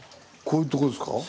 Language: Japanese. こういうとこですか？